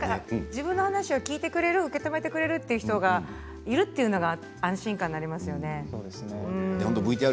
自分の話を聞いてくれる受け止めてくれるという人がいるという安心感がありますよね。